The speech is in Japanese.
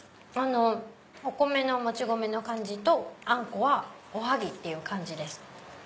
お米のもち米の感じとあんこはおはぎって感じです。